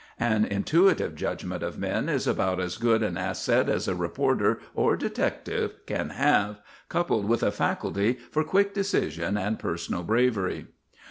An intuitive judgment of men is about as good an asset as a reporter or detective can have, coupled with a faculty for quick decision and personal bravery.